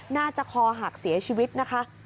น่าจะคอหักเสียชีวิตนะคะ